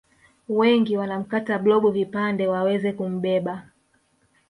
Wengi wanamkata blob vipande waweze kumbeba